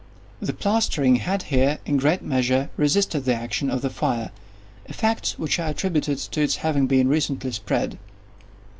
The plastering had here, in great measure, resisted the action of the fire—a fact which I attributed to its having been recently spread.